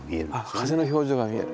風の表情が見える。